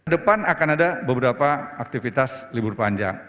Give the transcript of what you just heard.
depan akan ada beberapa aktivitas libur panjang